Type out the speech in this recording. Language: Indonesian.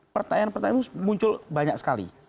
pertanyaan pertanyaan itu muncul banyak sekali